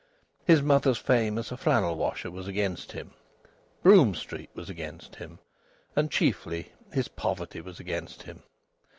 His mother's fame as a flannel washer was against him; Brougham Street was against him; and, chiefly, his poverty was against him.